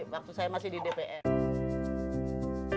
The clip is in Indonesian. waktu saya masih di dpr